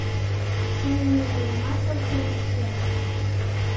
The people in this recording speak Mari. Чыным нигунамат шылтен от керт.